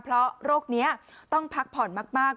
เพราะโรคนี้ต้องพักผ่อนมาก